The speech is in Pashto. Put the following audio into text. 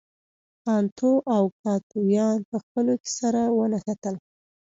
انتو او اوکتاویان په خپلو کې سره ونښتل.